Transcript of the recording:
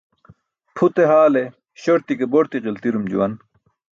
Pʰute haale śorti ke borti ġiltirum juwan.